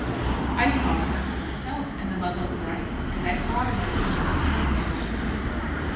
"I saw the mask myself, and the muzzle of the rifle; and I saw the man running as plainly as I see you."